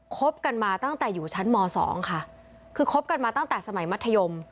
คบกันมาตั้งแต่อยู่ชั้นม๒ค่ะคือคบกันมาตั้งแต่สมัยมัธยม